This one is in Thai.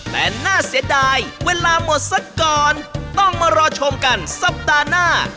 แต่น่าเสียดายเวลาหมดสักก่อนต้องมารอชมกันสัปดาห์หน้า